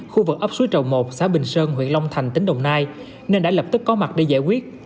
khu vực ấp suối trầu một xã bình sơn huyện long thành tỉnh đồng nai nên đã lập tức có mặt để giải quyết